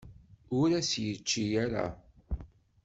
Ur as-t-yečči ara.